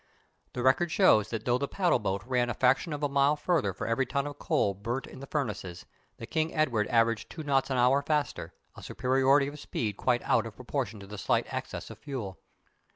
The record shows that though the paddle boat ran a fraction of a mile further for every ton of coal burnt in the furnaces, the King Edward averaged two knots an hour faster, a superiority of speed quite out of proportion to the slight excess of fuel.